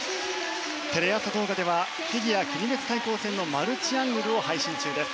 テレ朝動画ではフィギュア国別対抗戦のマルチアングルを配信中です。